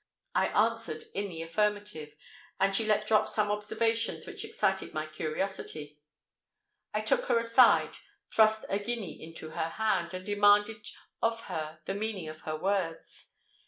I answered in the affirmative; and she let drop some observations which excited my curiosity. I took her aside, thrust a guinea into her hand, and demanded of her the meaning of her words.